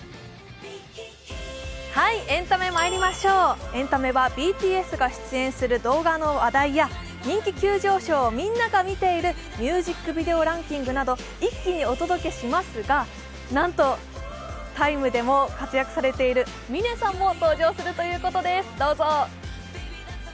エンタメまいりましょう、エンタメはＢＴＳが出演する動画の話題や人気急上昇、みんなが見ているミュージックビデオランキングなど一気にお届けしますがなんと「ＴＩＭＥ，」でも活躍されている嶺さんも登場するということです。